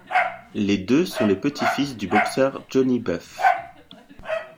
Les deux sont les petits-fils du boxeur Johnny Buff.